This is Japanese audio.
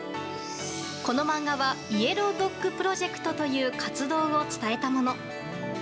この漫画はイエロードッグプロジェクトという活動を伝えたもの。